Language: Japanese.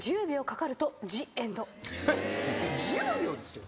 １０秒ですよ？